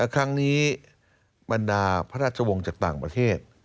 ครั้งนี้บรรดาพระราชวงศ์จากต่างประเทศ